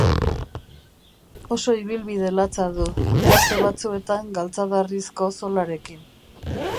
Oso ibilbide latza du, tarte batzuetan galtzadarrizko zolarekin.